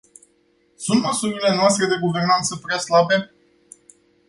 Sunt măsurile noastre de guvernanță prea slabe?